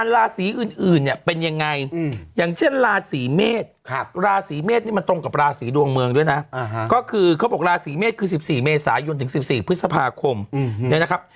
ลาศรีเมษคือ๑๔เมษายนถึง๑๔พฤษภาคมเนี่ยนะครับ